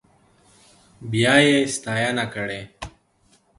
بيا يې ستاينه کړې.